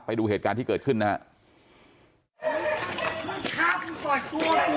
ไปดูเหตุการณ์ที่เกิดขึ้นนะครับ